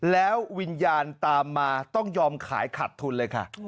แล้ววิญญาณตามมาต้องยอมขายขาดทุนเลยค่ะ